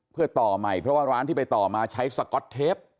เพื่อต่อใหม่เพราะว่าร้านที่ไปต่อมาใช้สก๊อตเทป